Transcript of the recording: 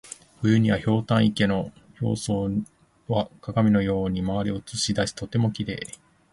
冬には、ひょうたん池の表層は鏡のように周りを写し出しとてもきれい。